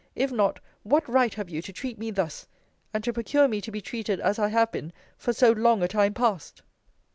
If not, what right have you to treat me thus; and to procure me to be treated as I have been for so long a time past?